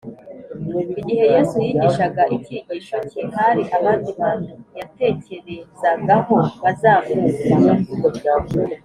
igihe yesu yigishaga icyigisho cye hari abandi bantu yatekerezagaho bazamwumva